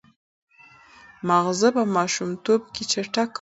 ماغزه په ماشومتوب کې چټک وده کوي.